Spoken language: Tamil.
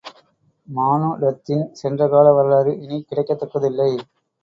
மானுடத்தின் சென்ற கால வரலாறு இனி கிடைக்கத்தக்கதில்லை.